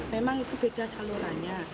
memang itu beda salurannya